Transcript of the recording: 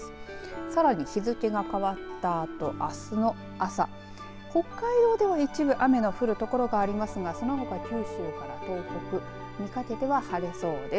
さらに日付が変わったあとあすの朝北海道では一部雨の降る所がありますがそのほか九州から東北にかけては晴れそうです。